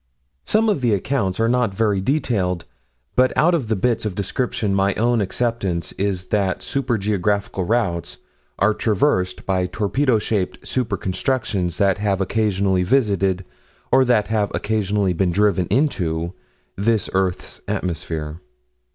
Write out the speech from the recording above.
Some of the accounts are not very detailed, but out of the bits of description my own acceptance is that super geographical routes are traversed by torpedo shaped super constructions that have occasionally visited, or that have occasionally been driven into this earth's atmosphere.